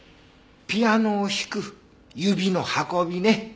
ピアノを弾く指の運びね。